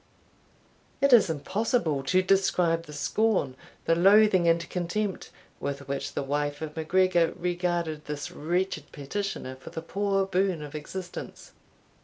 It is impossible to describe the scorn, the loathing, and contempt, with which the wife of MacGregor regarded this wretched petitioner for the poor boon of existence.